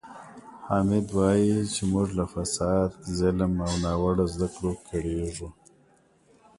حامد وایي چې موږ له فساد، ظلم او ناوړه زده کړو کړېږو.